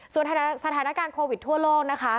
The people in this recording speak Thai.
ส่วนสถานการณ์โควิดทั่วโลกนะคะ